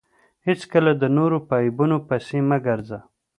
هېڅکله د نورو په عیبو پيسي مه ګرځه!